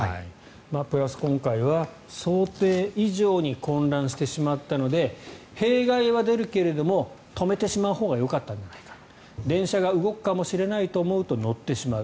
プラス、今回は想定以上に混乱してしまったので弊害は出るけれども止めてしまうほうがよかったんじゃないか電車が動くかもしれないと思うと乗ってしまう。